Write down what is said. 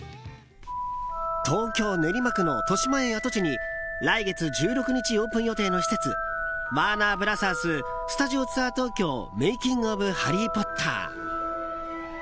東京・練馬区のとしまえん跡地に来月１６日オープン予定の施設ワーナーブラザーススタジオツアー東京‐メイキング・オブ・ハリー・ポッター。